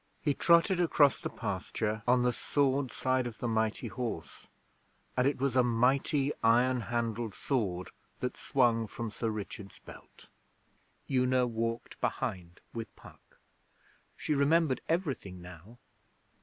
He trotted across the pasture on the sword side of the mighty horse, and it was a mighty iron handled sword that swung from Sir Richard's belt. Una walked behind with Puck. She remembered everything now.